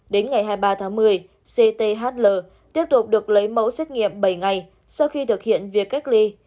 đến ngày hai mươi ba tháng một mươi cthl tiếp tục được lấy mẫu xét nghiệm bảy ngày sau khi thực hiện việc cách ly